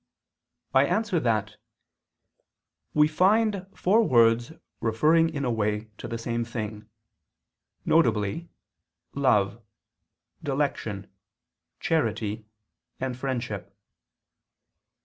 I answer that, We find four words referring in a way, to the same thing: viz. love, dilection, charity and friendship.